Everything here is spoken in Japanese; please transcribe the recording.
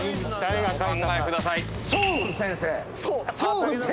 お考えください。